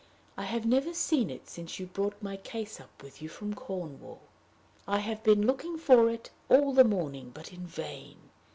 I have never seen it since you brought my case up with you from Cornwall. I have been looking for it all the morning, but in vain.